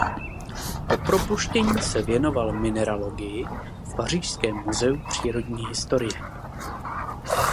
Po propuštění se věnoval mineralogii v Pařížském muzeu přírodní historie.